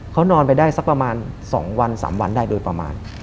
เขานอนไปได้สักประมาณ๒วัน๓วันได้โดยประมาณ